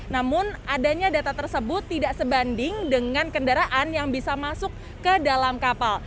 namun adanya data tersebut tidak sebanding dengan kendaraan yang bisa masuk ke dalam kapal